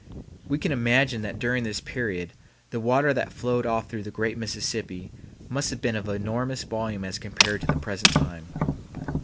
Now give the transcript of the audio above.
We can imagine that during this period the water that flowed off through the great Mississippi must have been of enormous volume as compared to the present time.